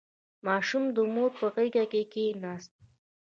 • ماشوم د مور په غېږ کښېناست.